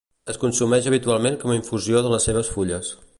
Es consumeix habitualment com infusió de les seves fulles.